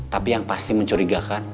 tapi yang pasti mencurigakan